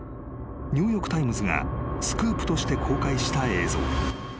［ニューヨーク・タイムズがスクープとして公開した映像］